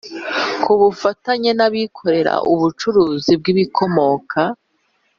Ku bufatanye n Abikorera ubucuruzi bw ibikomoka